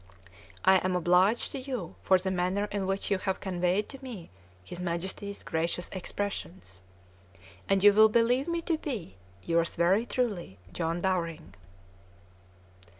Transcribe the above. I am obliged to you for the manner in which you have conveyed to me his Majesty's gracious expressions. And you will believe me to be Yours very truly, JOHN BOWRING.